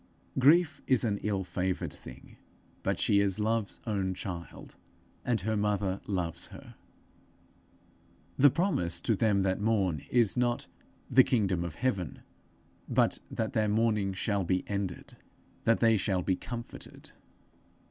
Grief is an ill favoured thing, but she is Love's own child, and her mother loves her. The promise to them that mourn, is not the kingdom of heaven, but that their mourning shall be ended, that they shall be comforted.